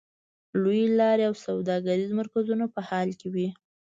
لویې لارې او سوداګریز مرکزونه په حال کې وې.